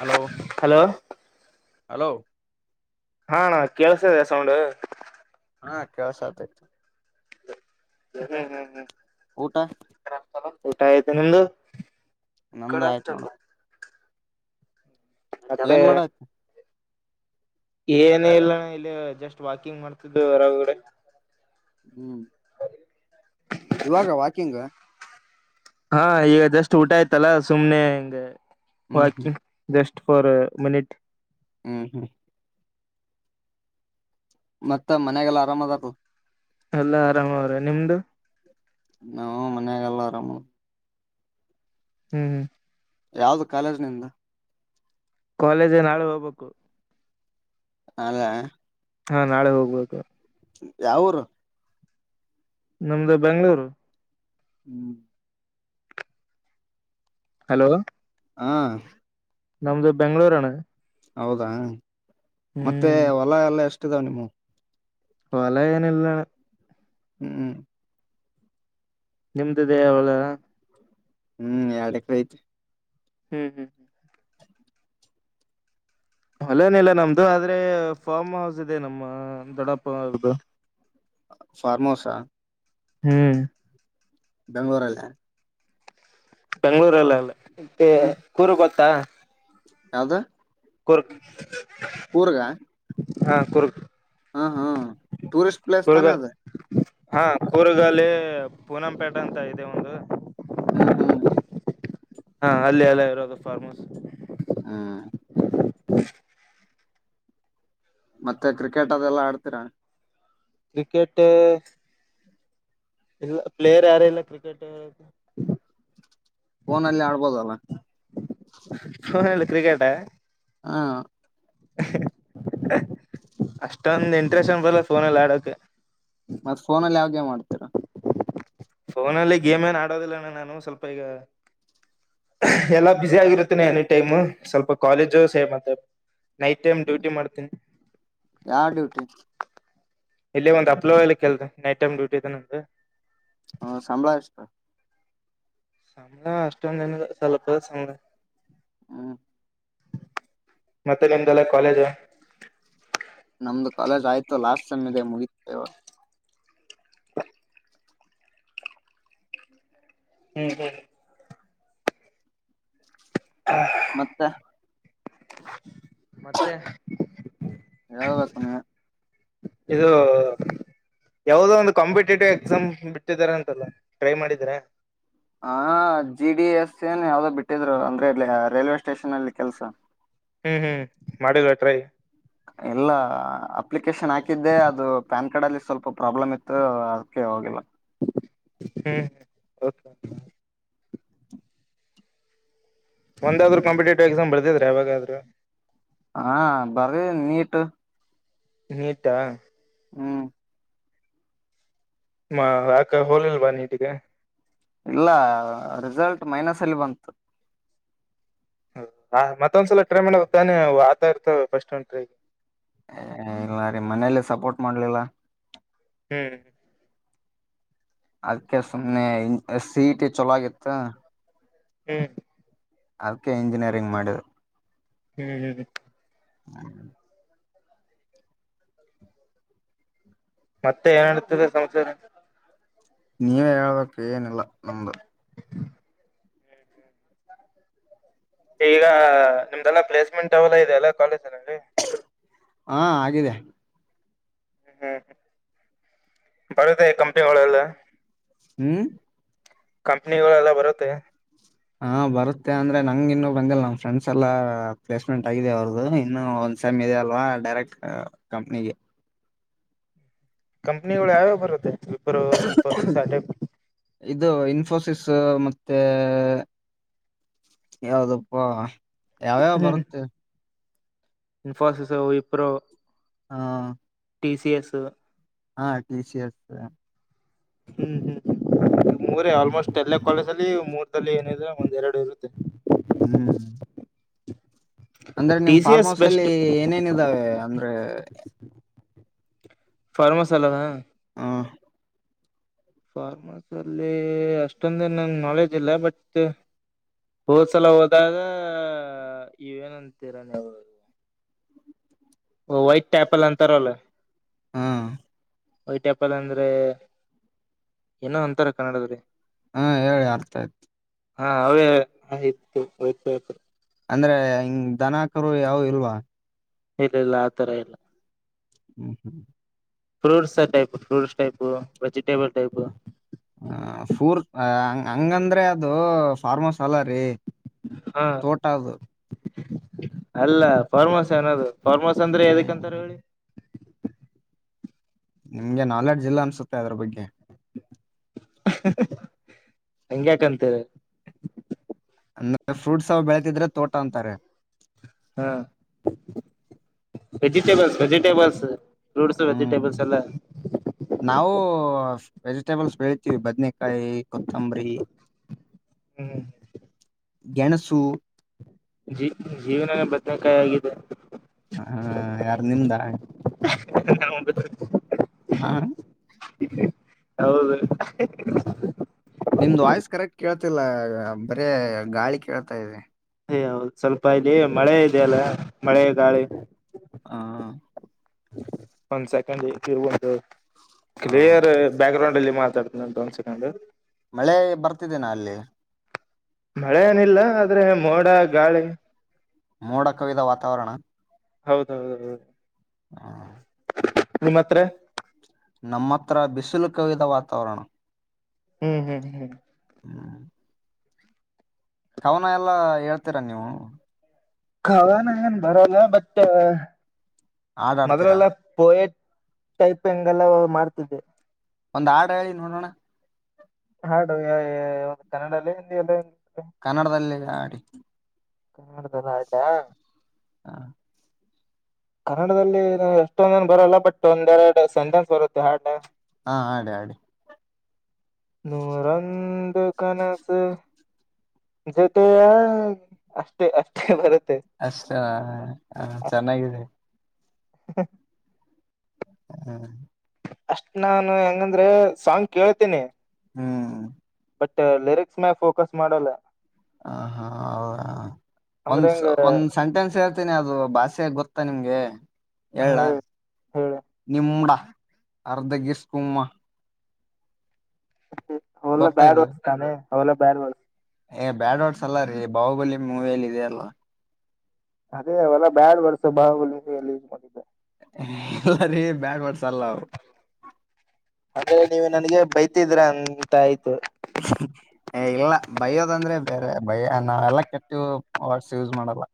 Hello hello hello ಹಾ ನ ಕೇಳಸದೆ ಸೌಂಡ್ ಹಾ ಕೆಲಸ ಆಯ್ತು ಹ್ಮ್ ಹ್ಮ್ ಹ್ಮ್ ಕುತ್ತ ಊಟ ಐತಿ ನಿಮ್ದು ನಮಂದ ಆಯ್ತ್ ನೋಡಕ್ ಮತ್ತೆ ಏನ್ ಮಾಡತ ಏನೇ ಇಲ್ಲಣ ಇಲ್ಲಿ ಜಸ್ಟ್ ವಾಕಿಂಗ್ ಮಾಡ್ತಿದ್ದು ಹೊರಗಡೆ ಹ್ಮ್ ಇವಾಗ ವಾಕಿಂಗ್ ಹಾ ಈಗ ಜಸ್ಟ್ ಊಟ ಆಯ್ತಲ್ಲ ಸುಮ್ನೆ ಹಂಗ ಹ್ಮ್ ಹ್ಮ್ ವಾಕಿಂಗ್ ಜಸ್ಟ್ ಫಾರ್ ಮಿನಿಟ್ ಹ್ಮ್ ಹ್ಮ್ ಮತ್ತ ಮನ್ಯಾಗಲ್ಲ ಆರಾಮ್ದಾರು ಎಲ್ಲಾ ಆರಾಮ ಅವ್ರೆ ನಿಮ್ದು ನಾ ಮನ್ಯಾಗಲ್ಲ ಆರಾಮ ಹ್ಮ್ ಹ್ಮ್ ಯಾವ್ದ ಕಾಲೇಜ್ನಿಂದ ಕಾಲೇಜೆ ನಾಳೆ ಹೋಗ್ಬೇಕು ಅಲ್ಲ ಹಾ ನಾಳೆ ಹೋಗ್ಬೇಕೋದು ಯಾವರು ನಮ್ದು ಬೆಂಗಳೂರು ಹ್ಮ್ ಹಲೋ ಹಾ ನಮ್ದ ಬೆಂಗ್ಳೂರಣ ಹೌದಾ ಮತ್ತೆ ಹೊಲ ಎಲ್ಲ ಎಷ್ಟಿದಾವ ನಿವು ಹೊಲ ಏನ ಎಲ್ಲಣ ಹ್ಮ್ ನಿಮ್ದಿದೆ ಅವಳ ಹ್ಮ್ ಎರಡ್ ಎಕ್ರ ಐತ್ ಹ್ಮ್ ಹ್ಮ್ ಹ್ಮ್ ಅಲ್ಲೇನ ಇಿಲ್ಲ ನಮ್ದು ಆದ್ರೆ ಫಾರ್ಮ್ ಹೌಸ್ ಇದೆ ನಮ್ಮ ದೊಡ್ಡಪ್ಪ್ದ ಫಾರ್ಮ್ ಹೌಸಾ ಹ್ಮ್ ಬೆಂಗ್ಳೂರು ಅಲ್ಲ ಬೆಂಗ್ಳೂರಲ್ಲಲ್ಲ ಮ ಹ್ಮ್ ಕೂರು ಗೊತ್ತಾ ಯಾವ್ದ ಕುರ್ಕ್ ಕೂರ್ಗ ಹಾ ಕುರ್ಕ್ [unintelligible] ಹಾ ಹಾ ಟೂರಿಸಿಸ್ಟ್ ಪ್ಲೇಸ್ ತಾನೆದೆ ಹಾ ಕೂರುಗಾಲಿ ಪೂನಂಪೇಟೆ ಅಂತ ಇದೆ ಒಂದು [unintelligible] ಹ್ಮ್ ಹ್ಮ್ ಹಾ ಅಲ್ಲಿ ಎಲ್ಲ ಇರೋದು ಫಾರ್ಮ್ ಹೌಸ್ ಹ್ಮ್ ಮತ್ತೆ ಕ್ರಿಕೆಟ್ ಅದೆಲ್ಲಾ ಆಡ್ತೀರಾ ಕ್ರಿಕೆಟ್ ಇಲ್ಲ ಪ್ಲೇಯರ್ ಯಾರ ಇಲ್ಲ ಕ್ರಿಕೆಟ್ ಫೋನಲ್ಲಿ ಆಡ್ಬೋದಲ್ಲ ಕ್ರಿಕೆಟ ಹಾ ಅಷ್ಟೊಂದ ಇಂಟ್ರೆಸ್ಟ್ ಅನ್ ಬರಲ್ಲ ಸೋನಲ್ಲಿ ಆಡೋಕ ಮತ್ತತ್ ಫೋನಲ್ಲಿ ಯಾವೇ ಮಾಡ್ತೀರಾ ಫೋನಲ್ಲಿ ಗೇಮ್ ಏನ್ ಆಡೋದಿಲ್ಲಣ್ಣ ನಾನು ಸ್ವಲ್ಪ ಈಗ ಎಲ್ಲಾ ಬುಸ ಆಗಿರುತ್ತೇನ ಎನಿ ಟೈಮ್ ಸ್ವಲ್ಪ ಕಾಲೇಜು ಸೇಮ್ ಮತ್ತೆ ನೈಟ್ ಟೈಮ್ ಹ್ಮ್ ಡ್ಯೂಟಿ ಮಾಡ್ತೀನಿ ಯಾವ ಡ್ಯೂಟಿ ಇಲ್ಲೇ ಒಂದ್ ಅಪ್ಲೋಲಲಿ ಕೆಲ್ಸ ನೈಟ್ ಟೈಮ್ ಡ್ಯೂಟಿ ಇದಂದು ಹ್ಮ ಸಂಬಳ ಎಷ್ಟ ಸಂಬಳ ಅಷ್ಟೊಂದೇನಿಲ್ಲ ಸ್ವಲ್ಪ ಸಂಬಳ ಹ್ಮ್ ಮತ್ತೆ ನಿಮ್ಮದೆಲ್ಲಾ ಕಾಲೇಜ ನಮ್ದು ಕಾಲೇಜ್ ಆಯ್ತು ಲಾಸ್ಟ್ ೈಮ್ ಇದೆ ಮುಗಿತದೆ ಇವಾಗ ಹ್ಮ್ ಹ್ಮ್ ಮತ್ತೆ [inaudible] [unintelligible] ಹೇಳ್ಬೇಕು ನೀವೇ ಇದು ಯಾವದೋ ಒಂದು್ ಕಾಂಪಿಟೇಟಿವ್ ಎಕ್ಸಾಮ್ ಬಿಟ್ಟಿದ್ದಾರೆ ಅಂತಲ್ಲ ಟ್ರೈ ಮಾಡಿದ್ದೀರಾ ಹ ಜಿ ಡಿ ಎಸ್ ಏನ್ ಯಾವ್ದೋ ಬಿಟ್ಟಿದ್ರು ಅಂದ್ರೆ ಇಲ್ಲಿ ರೈಲ್ವೆ ಸ್ಟೇಷನ್ ಅಲ್ಲಿ ಕೆಲ್ಸ ಹ್ಮ್ ಹ್ಮ್ ಮಾಡಿದ್ರ ಟ್ರೈ ಎಲ್ಲ ಅಪ್ಲಿಕೇಶನ್ ಹಾಕಿದ್ದೆ ಅದು ಪ್ಯಾನ್ ಕಾರ್ಡ್ ಅಲ್ಲಿ ಸ್ವಲ್ಪ ಪ್ರಾಬ್ಲಮ್ ಇತ್ತು ಅದಕ್ಕೆ ಹೋಗಿಲ್ಲ ಹ್ಮ್ ಹ್ಮ ಕೆ ಒಂದಾದ್ರೂ ಕಾಂಪಿಟೇಟಿವ್ ಎಕ್ಸಾಮ್ ಬರ್ದಿದ್ರ ಯಾವಾಗಾದ್ರೂ ಹಾ ಬರ್ದಿದಿನಿ ನೀಟ್ಟು ನೀಟಾ ಹ್ಮ್ ಹ ಯಾಕ ಹೋಲಿಲ್ಲ್ವಾ ನಿಟ್ ಗೆ ಇಲ್ಲ ರಿಸಲ್ಟ್ ಮೈನಸ್ ಅಲ್ಲಿ ಬಂತು ಮತ್ತೊಂದ್ಸಲ ಟ್ರೈ ಮಾಡಬೇಕು ತಾನೇ ಆತಾ ಇರ್ತವೆ ಫಸ್ಟ್ ಒಂದ್ ಟ್ರೈ ಇಲ್ಲ ರೀ ಮನೇಲಿ ಸಪೋರ್ಟ್ ಮಾಡ್ಲಿಲ್ಲ ಹ್ಮ್ ಅದ್ಕ್ಕೆ ಸುಮನೆ ಸಿಇಟಿ ಚಲಾಗಿತ್ತು ಹ್ಮ್ ಅದಕೆ ಇಂಜಿನಿಯರಿಂಗ್ ಮಾಡಿದ ಹ್ಮ್ ಹ್ಮ್್ಮ ಹ್ಮ ಮತ್ತೆ ಏನ್ಡ್ತದೆ ಸಮಾಚಾರ ನೀವೇ ಹೇಳ್ಬೇಕಕ್ ಏನಿಲ್ಲ ನಮ್ದು ಈಗ ನಿಮ್ದೆಲ್ಲಾ ಪ್ಲೇಸ್ಮೆಂಟ್ ಅವಲ್ಲಾ ಇದೆ ಅಲ್ಲ ಕಾಲೇಜನಲ್ಲಿ ಹಾ ಆಗಿದೆ ಹ್ಮ್ ಹ್ಮ್ ಹ್ಮ್ ಬರುತ್ತೆ ಕಂಪನಿಗಳೆಲ್ಲ ಹ್ಮ್ ಕಂಪನಿಗಳೆಲ್ಲ ಬರುತ್ತೆ ಹಾ ಬರುತ್ತೆ ಅಂದ್ರೆ ನಂಗ್ ಇನ್ನು ಬಂದಿಲ್ಲ ನಮ್ ಫ್ರೆಂಡ್ಸ್ ಎಲ್ಲಾ ಪ್ಲೇಸ್ಮೆಂಟ್ ಆಗಿದೆ ಅವ್ರದ್ದು ಇನ್ನು ಸೇಮ್ ಇದೆ ಅಲ್ವಾ ಡೈರೆಕ್ಟ್ ಕಂಪನಿಗೆ ಕಂಪನಿಗಳು ಯಾವ್ಯಾವ್ ಬರುತ್ತೆ ವಿಪ್ರೋ ಇನ್ಫೋಸಿಸ್ ಅಟೆಕ್ ಇದು ಇನ್ ಇನ್ಫೋಸಿಸ್ ಮತ್ತೆ ಯಾವ್ದಪ್ಪಾ ಯಾವ್ಯಾವ ಬರುತ್ತೆ ಇನ್ಫೋಸಿಸು ವಿಪ್ರೋ ಹಾ ಟಿ ಸಿ ಎಸ್ ಹಾ ಟಿ ಸಿ ಎಸ್ ಹ್ಮ್ ಹ್ಮ್್ಮ ಮೂರ ಹ್ಮ್ ಆಲ್ಮೋಸ್ಟ್ ಎಲ್ಲ ಕಾಲೇಜ್ ಮೂರ್ದಲ್ಲಿ ಏನಿದ್ರೆ ಒಂದ್ೆರಡು ಇರುತ್ತೆ ಹ್ಮ್ ಹ [unintelligible] ಅಂದ್ರೆ ನಿಮ್ ಫಾರ್ಮ್ ಹೌಸ್ ಅಲ್ಲಿ ಏನೇನ್ ಇದಾವೆ ಅಂದ್ರೆ ಫಾರ್ಮಸ್ ಅಲ್ಲವಾ ಹಾ ಫಾರ್ಮಸ್ ಅಲ್ಲಿ ಅಷ್ಟೊಂದ ಎನ್ ನಾಲೆಜ್ ಇಲ್ಲ ಬಟ್ ಹೋದ್ಸಲ ಹೋದಾಗ ಇವೇನಂತೀರ ನೀವು ಓ ವೈಟ್ ಟ್ಯಾಪಲ್ ಅಂತಾರ ಅಲ್ಲ ಹಾ ವೈಟಪ್ಪಲ್ ಅಂದ್ರೆ ಏನೋ ಅಂತಾರ ಕನ್ನಡ್ರ ಹಾ ಹೇಳಿ ಅರ್ಥ ಆಯ್ತು ಹಾ ಅವೇ ಆಯ್ತುತಯ್ತ ಅಂದ್ರೆ ಹಂಗ್ ದನಕರು ಯಾವ ಇಲ್ವಾ ಇಲ್ಲ ಇಲ್ಲ ಆ ತರ ಇಲ್ಲ ಹ್ಮ್ ಹ್ಮ್ fruits type fruits type vegetable type ಹ ಫೂರ್ ಹಂಗಂದ್ರೆ ಅದು ಫಾರ್ಮಸ್ ಅಲ್ಲ ರೀ ಹಾ ತೋಟದು ಅಲ್ಲ ಫಾರ್ಮಸ್ ಏನದು ಫರ್್ಮಸ್ ಅಂದ್ರೆ ಆ, ಯದಕ್ಕಂತಾರ ಹೇಳಿ ನಿಮ್ಗೆ ನಾಲೆಡ್ಜು ಇಿಲ್ಲ ಅನ್ಸುತ್ತೆ ಅದ್ರ ಬಗ್ಗೆ ಹಂಗ್ಯಾಕಂತರ ಅಂದ ಫ್ರೂಟ್ಸ್ ಅವ ಬೆಳತಿದ್ರೆ ತೋಟ ಅಂತಾರೆ ಹಾ ವೆಜಿಟೇಬಲ್ಸ್ ವೆಜಿಟೇಬಲ್ಸ್ ಫ್ರೂಟ್ಸ್ ಹ್ಮ್ ವೆಜಿಟಬಲ್ಸ್ ಎಲ್ಲ ನಾವು ವೆಜಿಟೇಬಲ್ಸ್ ಬೆಳ್ತಿೀವಿ ಬದ್ನಕಾಯಿ ಕೊತ್ತಂಬರಿ ಹ್ಮ್ ಹ್ಮ್ ಗೆಣಸು ಜ ಜೀವನನೇ ಬದನಕಾಯಿ ಆಗಿದೆ ಹಾ ಯಾರ ನಿಮ್ದಾ [unintelligible] ಹಾ ಹೌದು ನಿಮ್ದ್ ವಾಯ್ಸ್ ಕರೆಕ್ಟ್ ಕೇಳ್ತಿಲ್ಲ ಬರೇ ಗಾಳಿ ಕೇಳ್ತಾ ಇದೆ ಅಯ ಹೌದು್ ಸ್ವಲ್ಪ ಇಲ್ಲಿ ಮಳೆ ಇೆಯಲ್ಲ ಮಳೆ ಗಾಳಿ ಹಾ ಒಂದ್ ಸೆಕೆಂಡ್ರ್ಂದು ಆ. ಕ್ಲಿಯರ್ ಬ್ಯಾಕ್ ಗ್ರೌಂಡ್ ಲ್ಲಿ ಮಾತಾಡ್ತನಂ ಒಂದ್ ಸೆಕಂಡ್ ಮಳೆ ಬರ್ತಿದ್ದನಾ ಅಲ್ಲಿ ಮಳೆ ಏನಿಲ್ಲ ಆದ್ರೆ ಮೋಡ ಗಾಳಿ ಮೋಡ ಕವಿದ ವಾತಾವರಣ ಹೌದೌದ ಹೌದು ಹಾ ನಿಮ್ಮ ಹತ್ರ ನಮ್ಮ ಹತ್ರ ಬಿಸಿಲು ಕವಿದ ವಾತಾವರಣ ಹ್ಮ್ ಹ್ಮ್ ಹ್ಮ್್ಮ ಹ್ಮ್. ಕವನ ಎಲ್ಲಾ ಹೇಳ್ತೀರಾ ನೀವು ಕವನ ಏನ್ ಬರಲ್ಲ ಬಟ್ ಹಾಡ್ ಆಡ್ತೀರಾ ಮೊದಲೆಲ ಪೋಯಾಟ್ ಟೈಪ್ ಹೆಂಗ್ ಎಲ್ಲ ಮಾಡ್ತದೆ ಒಂದ್ ಆಡು ಹೇಳಿ ನೋಡೋಣ ಹಾಡು ಒ ಕನ್ನಡಲ್ಲ ಹಿಂದಿಯಲ್ಲ ಕನ್ನಡದಲ್ಲಿ ಹಾಡಿ ಕನ್ನಡದಲಿ ಹಾಡಿ ಹಾ ಕನ್ನಡದಲ್ಲಿ ನ ಎಷ್ಟೊಂದನ್ ಬರಲ್ಲ ಬಟ್ ಒಂದೆರಡು ಸೆಂಟೆನ್ಸ್ ಬರುತ್ತೆ ಹಾರ್ಡ್ ಹಾ ಅದೇ ಅದೇ ನೂರಂದು ಕನಸು [unintelligible] ಅಷ್ಟೇ ಅಷ್ಟೇ ಬರುತ್ತೆ ಅಷ್ಟ ಹ ಚೆನ್ನಾಗಿದೆ ಹ ಹ್ಮ ಅಷ್ಟ ನಾನು ಹೆಂಗಂದ್ರೆ ಸಾಂಗ್ ಕೇಳ್ತೇನಿ ಹ್ಮ್ ಮತ್ತೆ ಲಿರಿಕ್ಸ್ ಮೇಲೆ ಫೋಕಸ್ ಮಾಡಲ್ಲ ಹ ಹಾ ಹೌದಾ ಅಂದ್ರೆ ಒಂದ್ ಹೆಂಗ ಒಂದ್ ಸೆಂಟೆನ್ಸ್ ಹೇಳ್ತೀನಿ ಅದು ಭಾಷೆ ಗೊತ್ತ ಮತ್ತ ನಿಮಗೆ ಹೇಳ ಹೇಳಿ ನಿಮಡ ಅರ್ಧ ಗಿಸ್ ಕುುಮ್ಮ ಅವಲ್ಲ ಗೊತ್ತ ಬೇಡ್ ಇದು ವಿಸ್ತಾನೆ ಅವಲ್ಲ ಬೇಡ್ ವ ಏ ಬ್ಯಾಡ್ ವಡ್ಸ್ ಅಲ್ಲ ರೀ ಬಾಹುಬಲಿ ಮೂವಿಯಲ್ಲಿ ಇದೆಯಲ್ಲ ಅದೇ ಅವಲ್ಲ ಬ್ಯಾಡ್ ವರ್ಸ ಬಾಲ್ಲಿ ಮಾಡೆ ಇಲ್ಲ ರಿ ಬ್ಯಾಡ್ ವರ್ಸ ಅಲ್ಲ ಅಂದ್ರೆ ನೀವು ನನ್ಗೆ ಬೈತಿದ್ರ ಅಂತ ಆಯ್ತು ಏ ಇಲ್ಲ ಬಯ್ಯೋದಂದ್ರೆ ಬೇರೆ ಬಯ ನಾವೆಲ್ಲ ಕೆಟ್ಟ ವಾಟ್ಸ ಯೂಸ್ ಮಾಡಲ್ಲ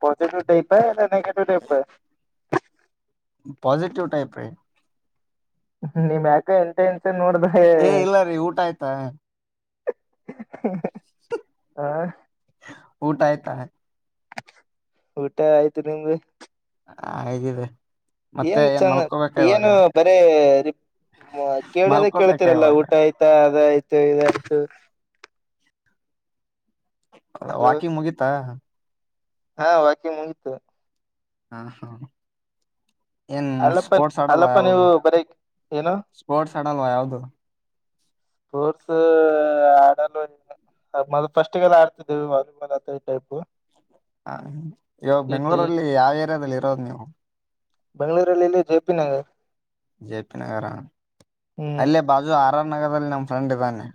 ಪಜಿಟಿವ್ ಬೇಕ ನೆಗಟಿವ್ ಪಾಸಿಟಿವ್ ಟೈಪೇ ನಿಮ್ ಯಾಕ ಎಂತ ಇನ್ಸ ನೋಡ್ದೆ ಏ ಇಲ್ಲ ರೀ ಊಟ ಆಯ್ತಾ ಹಾ ಊಟ ಆಯ್ತಾ ಊಟ ಆಯ್ತು ನಿಮ್ದು ಹ ಆಗಿದೆ ಮತ್ತೆ ಏನು ಏನ್ ಚಂದ ಮಲ್ಕೋಬೇಕ ಇವಾಗ ಏನು ಬರೇ ಹ್ಮ ಕೇಳದ ಮಲ್ಕೋಬೇಕ ಕೇಳ್ತೀರಲ್ಲ ಇವಾಗ ಊಟ ಆಯ್ತಾ ಅದ ಆಯ್ತು ಇದಾಯಯ್ತು ಹಲೋ ವಾಕಿಂಗ ಮುಗೀತಾ ಹಾ ವಾಕಿಂಗ್ ಮುಗೀತು ಹಾ ಹಾ ಏನ್ ಅಲ್ಲಪ್ಪ ಸ್ಪೋರ್ಟ್ಸ್ ಹಾಡಲ್ವಾ ಅಲ್ಲಪ್ಪ ನೀವು ಯಾದು ಬರೀ ಏನು ಸ್ಪೋರ್ಟ್ಸ್ ಹಾಡಲ್ವಾ ಯಾವದು ಕೋರ್ಸ್ ಆಡಲ್ಲ ಮ ಫಸ್ಟ್ಗೆಲ್ಲ ಆಡ್ತಿದ್ದೇವಿ ವಾಲಿಬಾಲ್ ಅಥ ಈ ಟೈಪ್ ಹಾ ಇವಾಗ ಇಟಿ ಬೆಂಗ್ಗಳೂರಲ್ಲಿ ಯಾವ ಏರಿಯಾದಲ್ಲಿ ಇರೋದು ನೀವು ಬೆಂಗಳೂರಲ್ಲಿ ಜೆಪಿ ನಗರ್ ಜೆ ಪಿ ನಗರ ಹ್ಮ್ ಅಲ್ಲೇ ಬಾಜು ಆರ್ ಆರ್ ನಗರದಲ್ಲಿ ನಮ್ ಫ್ರೆಂಡ್ ಇದ್ದಾನೆ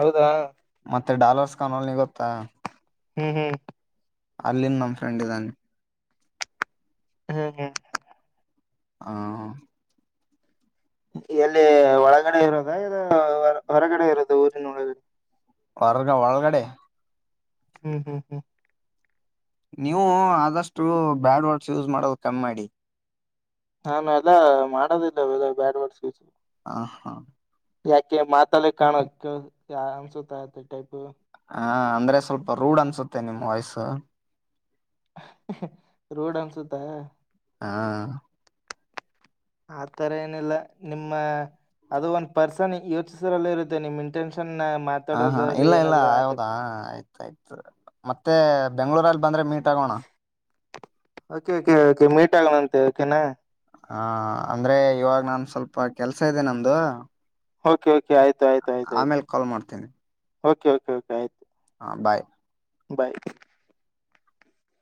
ಹೌದಾ ಮತ್ತೆ ಡಾಲರ್ಸ್ ಕಾಣಲ್ ನೀ ಗೊತ್ತಾ ಹ್ಮ್ ಹ್ಮ್ ಅಲ್ಲಿ ನಮ್ ಫ್ರೆಂಡ್ ಇದ್ದಾನೆ ಹ್ಮ್ ಹ್ಮ್ ಹ ಎಲ್ಲಿ ಒಳಗಡೆ ಇರೋದಾ ಇ ಹೊರಗಡೆ ಇರೋದ ಊರಿನ ಒಳಗಡೆ ಹೊರ್ಗ ಒಳಗಡೆ ಹ್ಮ್ ಹ್ಮ್ ಹ್ಮ್ ನೀವು ಆದಷ್ಟು ಬ್ಯಾಡ್ ವರ್ಡ್ಸ್ ಯೂಸ್ ಮಾಡದು ಕಮ್ಮಿ ಮಾಡಿ ನಾನು ಎಲ್ಲ ಮಾಡೋದಿಲ್ಲ ಅವಲ್ಲ ಬ್ಯಾಡ್ ಬಡ್ ಹಾ ಹ ಯಾಕೆ ಮಾತಲ್ಲೇ ಕಾಣಕ್ ಅನ್ಸತಾ ಅದೆ ಟೈಪು. ಹಾ ಅಂದ್ರೆ ಸ್ವಲ್ಪ ರೂಡ್ ಅನ್ಸುತ್ತೆ ನಿಮ್ಮ್ ವಾಯ್ಸು. ರೋಡ್ ಅನ್ಸುತ್ತಾ. ಹಾ ಆತರ ಏನಿಲ್ಲ ನಿಮ್ಮ ಅದು ಒನ್ ಪರ್ಸ್ ಯೋಚಿಸರಲ್ಲೇ ಇರುತ್ತೆ ನಿಮ್ಮಿಂಟೆನ್ಷನ್. ಹ ಹಾ ಇಲ್ಲ ಇಲ್ಲ ಹೌದಾ ಆಯ್ತ ಆಯ್ತು ಮತ್ತೆ ಬೆಂಗಳೂರಲ್ಲಿ. ಬಂದ್ರೆ ಮೀಟ್ ಆಗೋಣ. ಓಕೆ ಓಕೆ ಓಕೆ ಮೀಟ್ ಆಗಣಂತೆ ಓಕೆನಾ. ಹಾ ಅಂದ್ರೆ ಇವಾಗ ನಾನ್ ಸ್ವಲ್ಪ ಕೆಲ್ಸ ಇದೆ ನಂದು ಓಕೆ ಓಕೆ ಆಯ್ತು ಆಯ್ತು ಆಯ್ತು ಆಯ್ತು ಕಾಲ್ ಮಾಡ್ತೀನಿ ಓಕೆ ಓಕೆ ಓಕೆ ಆಯ್ತು. ಹಾ ಬಾಯ್. ಬಾಯ್